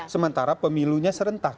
sementara pemilunya serentak